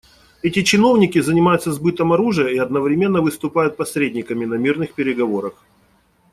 Эти чиновники занимаются сбытом оружия и одновременно выступают посредниками на мирных переговорах.